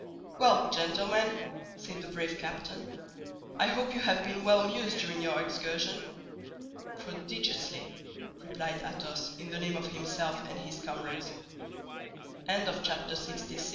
"Well, gentlemen," said the brave captain, "I hope you have been well amused during your excursion." "Prodigiously," replied Athos in the name of himself and his comrades. Chapter LXVII. CONCLUSION On the sixth o